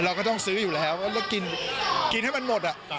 เราก็ต้องซื้ออยู่แล้วแล้วกินให้มันหมด